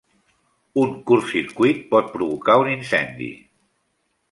Un curtcircuit pot provocar un incendi.